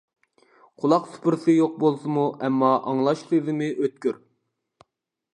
قۇلاق سۇپرىسى يوق بولسىمۇ، ئەمما ئاڭلاش سېزىمى ئۆتكۈر.